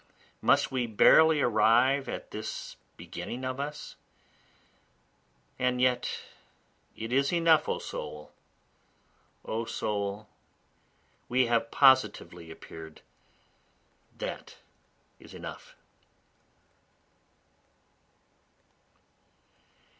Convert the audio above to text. Must we barely arrive at this beginning of us? and yet it is enough, O soul; O soul, we have positively appear'd that is enough.